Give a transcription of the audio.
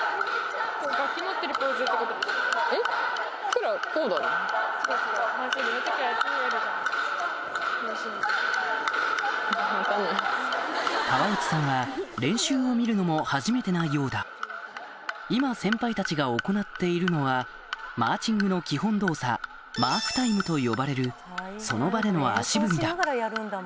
この日川内さんは練習を見るのも初めてなようだ今先輩たちが行っているのはマーチングの基本動作マークタイムと呼ばれるその場での足踏みだ